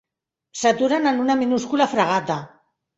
S'aturen en una minúscula fragata.